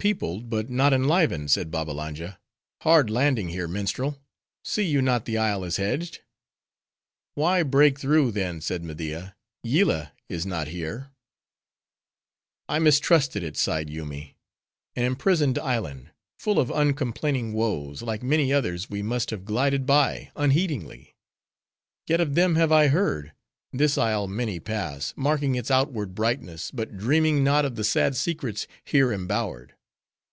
"Peopled but not enlivened," said Babbalanja. "Hard landing here, minstrel! see you not the isle is hedged?" "Why, break through, then," said Media. "Yillah is not here." "I mistrusted it," sighed Yoomy; "an imprisoned island! full of uncomplaining woes: like many others we must have glided by, unheedingly. Yet of them have I heard. This isle many pass, marking its outward brightness, but dreaming not of the sad secrets here embowered.